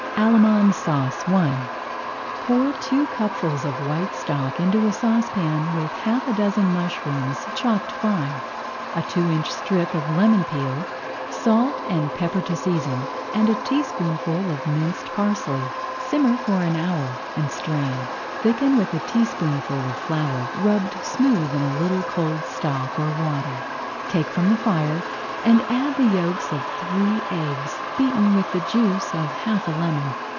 ALLEMANDE SAUCE I Put two cupfuls of white stock into a saucepan with half a dozen mushrooms, chopped fine, a two inch strip of lemon peel, salt and [Page 14] pepper to season, and a teaspoonful of minced parsley. Simmer for an hour and strain. Thicken with a teaspoonful of flour, rubbed smooth in a little cold stock or water, take from the fire, and add the yolks of three eggs beaten with the juice of half a lemon.